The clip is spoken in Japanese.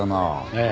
ええ。